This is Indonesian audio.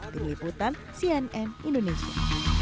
diliputan cnn indonesia